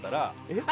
えっ？